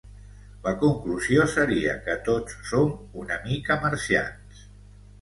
La conclusió seria que tots som una mica marcians.